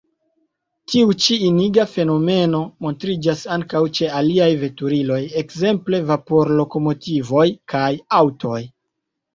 Tiu ĉi iniga fenomeno montriĝas ankaŭ ĉe aliaj veturiloj, ekzemple vapor-lokomotivoj kaj aŭtoj.